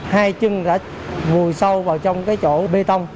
hai chân đã vùi sâu vào trong cái chỗ bê tông